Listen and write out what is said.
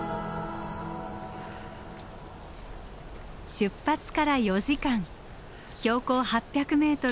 出発から４時間標高８００ｍ